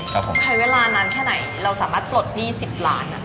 ใช้เวลานานแค่ไหนเราสามารถปลดหนี้๑๐ล้าน